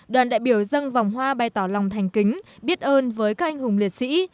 đoàn đại biểu dân vòng hoa bày tỏ lòng thành kính biết ơn với các anh hùng liệt sĩ